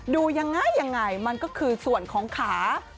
ดูง่ายมันก็คือส่วนของขา